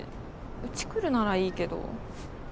うち来るならいいけど。